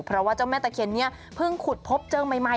เพราะว่าเจ้าแม่ตะเคียนนี้เพิ่งขุดพบเจอใหม่